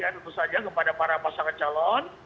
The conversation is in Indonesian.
tentu saja kepada para pasangan calon